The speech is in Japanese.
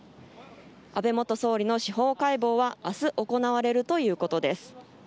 安倍元総理の司法解剖は明日行われるということです。